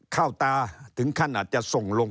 ตาถึงขั้นอาจจะส่งลง